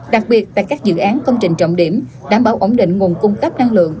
đặc biệt tại các dự án công trình trọng điểm đảm bảo ổn định nguồn cung cấp năng lượng